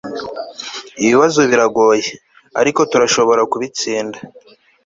ibibazo biragoye, ariko turashobora kubitsinda